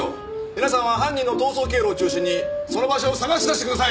皆さんは犯人の逃走経路を中心にその場所を探し出してください！